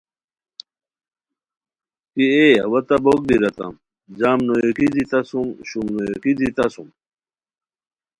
کی اے اوا تہ بوک بیریتام، جام نویوکی دی تہ سوم، شوم نویوکی دی تہ سوم